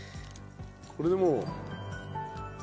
これでもう。